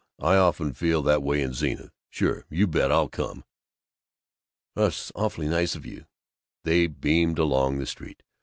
I often feel that way in Zenith. Sure, you bet I'll come." "That's awfully nice of you." They beamed along the street.